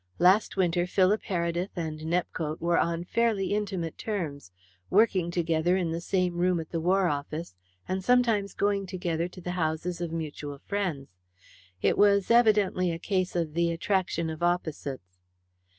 Last winter Philip Heredith and Nepcote were on fairly intimate terms, working together in the same room at the War Office, and sometimes going together to the houses of mutual friends. It was evidently a case of the attraction of opposites."